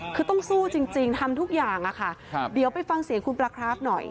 คือต้องสู้จริงทำทุกอย่างอะค่ะเดี๋ยวไปฟังเสียงคุณปลาคราฟหน่อย